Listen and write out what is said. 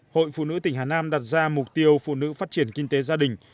hội phụ nữ tỉnh hà nam đặt ra mục tiêu phụ nữ phát triển kinh tế gia đình